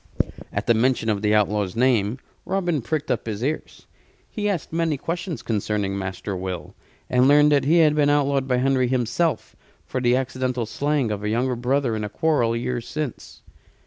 At the mention of the outlaw's name Robin pricked up his ears. He asked many questions concerning Master Will; and learned that he had been outlawed by Henry himself for the accidental slaying of a younger brother in a quarrel years since.